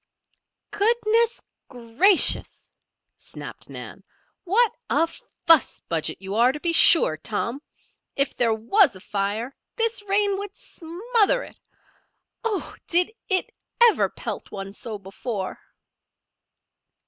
"Goodness, gracious!" snapped Nan. "What a fuss budget you are to be sure, Tom. If there was a fire, this rain would smother it. Oh! Did it ever pelt one so before?"